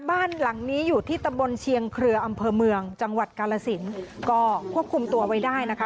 บ้านหลังนี้อยู่ที่ตำบลเชียงเครืออำเภอเมืองจังหวัดกาลสินก็ควบคุมตัวไว้ได้นะคะ